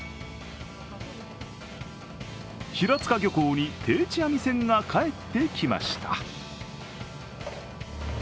平塚漁港に定置網船が帰ってきました。